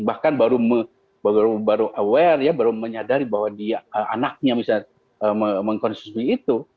bahkan baru aware ya baru menyadari bahwa dia anaknya misalnya mengkonsumsi itu